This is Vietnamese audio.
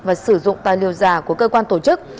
và sử dụng tài liệu giả của cơ quan tổ chức